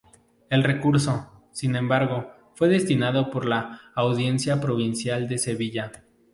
El recurso, sin embargo, fue desestimado por la Audiencia Provincial de Sevilla.